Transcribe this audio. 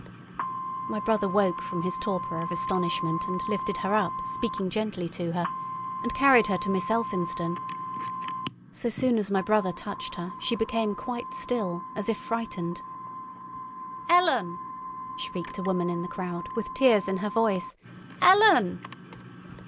My brother woke from his torpor of astonishment and lifted her up, speaking gently to her, and carried her to Miss Elphinstone. So soon as my brother touched her she became quite still, as if frightened. "Ellen!" shrieked a woman in the crowd, with tears in her voice—"Ellen!"